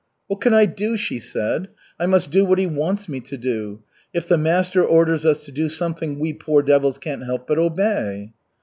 "What could I do?" she said. "I must do what he wants me to do. If the master orders us to do something, we, poor devils, can't help but obey."